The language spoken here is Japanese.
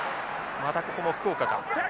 またここも福岡か。